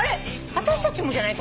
私たちもじゃない？